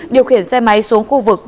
điều khiển xe máy xuống khu vực